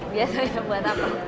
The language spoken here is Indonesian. biasanya buat apa